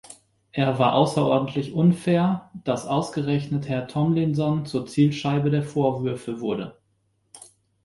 Er war außerordentlich unfair, dass ausgerechnet Herr Tomlinson zur Zielscheibe der Vorwürfe wurde.